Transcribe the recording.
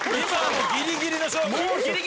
もうギリギリの勝負。